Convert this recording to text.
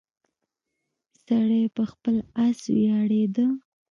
سړی په خپل اس ویاړیده.